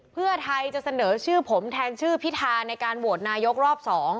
เพื่อไทยจะเสนอชื่อผมแทนชื่อพิธาในการโหวตนายกรอบ๒